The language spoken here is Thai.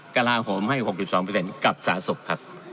กระลาโหมให้๖๒เปอร์เซ็นต์กับสาธารณสุขครับ